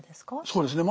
そうですね